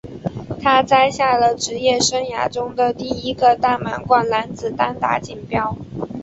他摘下了职业生涯中的第一个大满贯男子单打锦标。